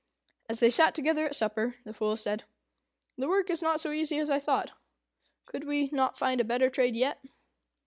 As they sat together at supper, the Fool said, "The work is not so easy as I thought. Could we not find a better trade yet?"